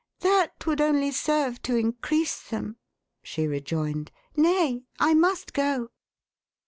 "That would only serve to increase them," she rejoined. "Nay, I must go."